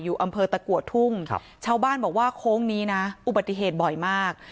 อำเภอตะกัวทุ่งชาวบ้านบอกว่าโค้งนี้นะอุบัติเหตุบ่อยมาก